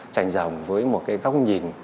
tranh rồng với một cái góc nhìn